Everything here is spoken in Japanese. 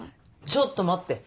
ちょっと待って！